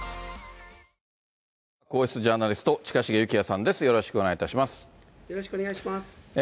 皇室ジャーナリスト、近重幸哉さんです。